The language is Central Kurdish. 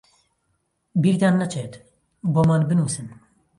بیرتان نەچێت بۆمان بنووسن.